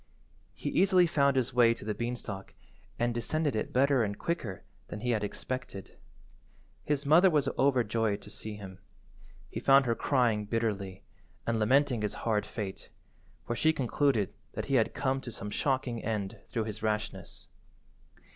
He easily found his way to the beanstalk and descended it better and quicker than he had expected. His mother was overjoyed to see him. He found her crying bitterly, and lamenting his hard fate, for she concluded he had come to some shocking end through his rashness.